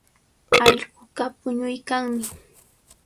Allquqa puñuykanmi.